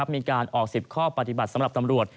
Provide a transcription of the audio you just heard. มีการออก๑๐ข้อปฏิบัติสำหรับตำรวจ